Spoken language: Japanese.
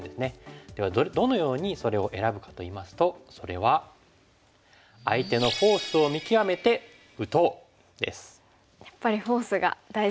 ではどのようにそれを選ぶかといいますとそれはやっぱりフォースが大事になってきますね。